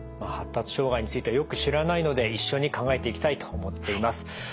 発達障害についてはよく知らないので一緒に考えていきたいと思っています。